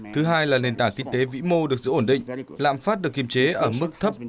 thứ hai là nền tảng kinh tế vĩ mô được giữ ổn định lạm phát được kiềm chế ở mức thấp